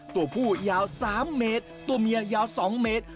ตัวผู้ยาว๓เมตรตัวเมียยาว๒เมตร